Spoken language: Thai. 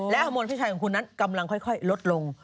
ฮอร์โมนพี่ชัยของคุณนั้นกำลังค่อยลดลง